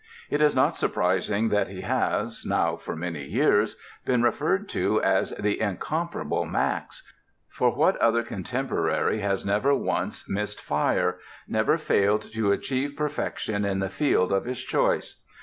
It is not surprising that he has (now for many years) been referred to as "the incomparable Max," for what other contemporary has never once missed fire, never failed to achieve perfection in the field of his choice?